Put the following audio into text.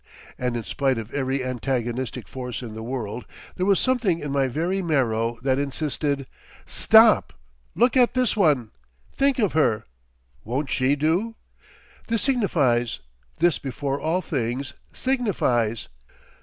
And in spite of every antagonistic force in the world, there was something in my very marrow that insisted: "Stop! Look at this one! Think of her! Won't she do? This signifies—this before all things signifies!